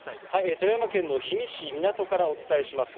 富山県の氷見市、港からお伝えします。